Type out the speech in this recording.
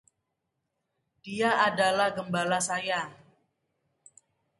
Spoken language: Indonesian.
Dia adalah gembala saya.